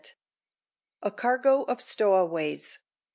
A CARGO OF STOWAWAYS.